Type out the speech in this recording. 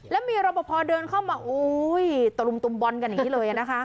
แล้วมีรบพอเดินเข้ามาโอ้ยตะลุมตุมบอลกันอย่างนี้เลยนะคะ